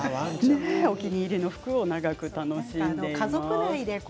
お気に入りの服を長く楽しんでいます。